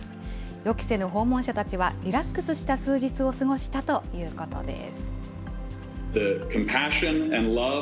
予期せぬ訪問者たちはリラックスした数日を過ごしたということです。